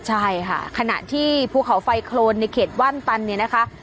ใช่ค่ะขณะที่ภูเขาไฟโครนในเขตว่านตันเนี่ยนะคะ